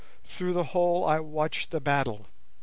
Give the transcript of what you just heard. Through the hole I watched the battle!